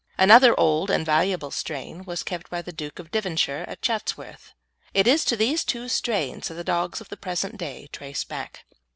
Another old and valuable strain was kept by the Duke of Devonshire at Chatsworth. It is to these two strains that the dogs of the present day trace back.